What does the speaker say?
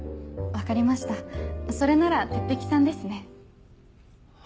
分かりましたそれなら鉄壁さんですね。